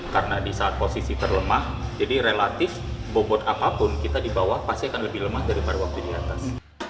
karena di saat posisi terlemah jadi relatif bobot apapun kita di bawah pasti akan lebih lemah daripada waktu di atas